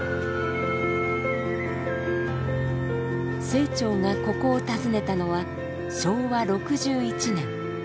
清張がここを訪ねたのは昭和６１年。